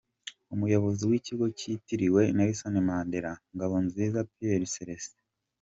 Umuyobozi w’ikigo cyitiriwe Nelson Mandela, Ngabonziza Pierre Célestin.